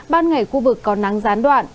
ban ngày khu vực có nắng gián đoạn